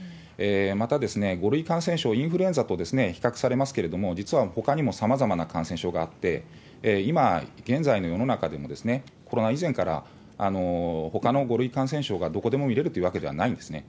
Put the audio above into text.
また、５類感染症、インフルエンザと比較されますけれども、実はほかにもさまざまな感染症があって、今現在の世の中でも、コロナ以前からほかの５類感染症がどこでも診れるというわけではないんですね。